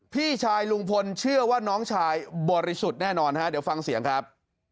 พี่ชายลุงพลเชื่อว่าน้องชายบริสุทธิ์แน่นอนฮะเดี๋ยวฟังเสียงครับ